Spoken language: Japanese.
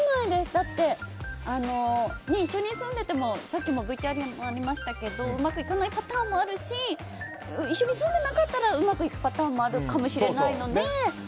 だって一緒に住んでてもさっきのＶＴＲにもありましたけどうまくいかないパターンもあるし一緒に住んでなかったらうまくいくパターンもあるかもしれないので。